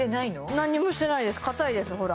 何にもしてないですかたいですほら